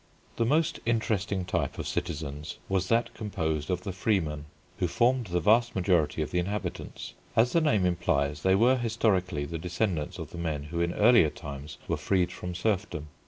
The most interesting type of citizens was that composed of the freemen, who formed the vast majority of the inhabitants. As the name implies, they were historically the descendants of the men who in earlier times were freed from serfdom.